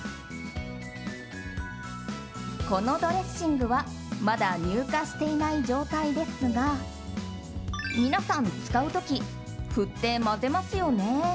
このドレッシングはまだ乳化していない状態ですが皆さん使う時振って混ぜますよね。